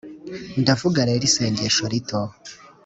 ndavuga rero isengesho rito